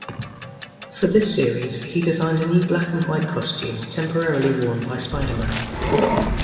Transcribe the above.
For this series, he designed a new black-and-white costume temporarily worn by Spider-Man.